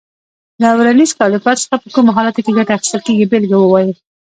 له ورنیز کالیپر څخه په کومو حالاتو کې ګټه اخیستل کېږي بېلګه ووایئ.